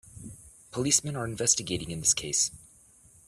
Policemen are investigating in this case.